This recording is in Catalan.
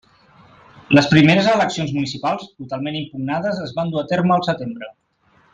Les primeres eleccions municipals, totalment impugnades, es van dur a terme al setembre.